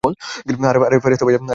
আরে ফেরেশতা ভাইয়া!